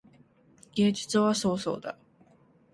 芸術は創造だ。